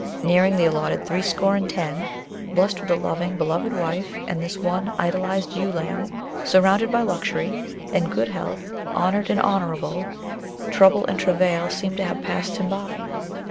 Nearing the allotted threescore and ten, blessed with a loving, beloved wife and this one idolized ewe lamb, surrounded by luxury, in good health, honored, and honorable, trouble and travail seemed to have passed him by.